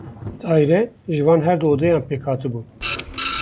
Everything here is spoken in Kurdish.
Daîre ji van her du odeyan pêk hatibû.